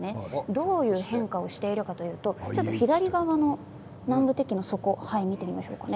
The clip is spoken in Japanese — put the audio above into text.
どういう変化をしているのかというと左側の南部鉄器の底を見てみましょう。